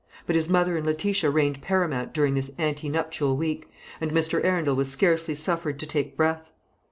But his mother and Letitia reigned paramount during this ante nuptial week, and Mr. Arundel was scarcely suffered to take breath.